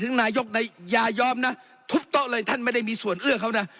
นายกอย่ายอมนะทุบโต๊ะเลยท่านไม่ได้มีส่วนเอื้อเขานะ